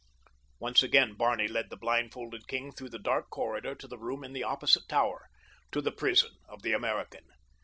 Once again Barney led the blindfolded king through the dark corridor to the room in the opposite tower—to the prison of the American.